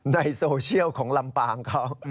ในโซเชียลของลำปางเขา